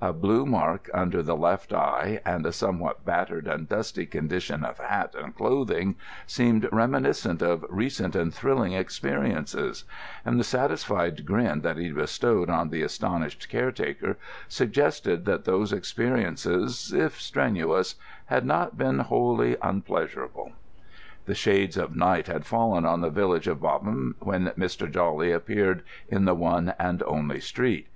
A blue mark under the left eye and a somewhat battered and dusty condition of hat and clothing seemed reminiscent of recent and thrilling experiences; and the satisfied grin that he bestowed on the astonished caretaker suggested that those experiences, if strenuous, had not been wholly unpleasurable. The shades of night had fallen on the village of Bobham when Mr. Jawley appeared in the one and only street.